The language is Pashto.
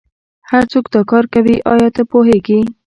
هرڅوک دا کار کوي ایا ته پوهیږې